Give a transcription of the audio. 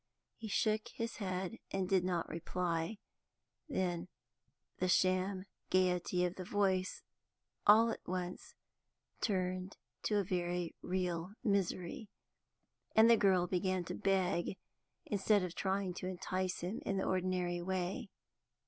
He shook his head and did not reply; then the sham gaiety of the voice all at once turned to a very real misery, and the girl began to beg instead of trying to entice him in the ordinary way.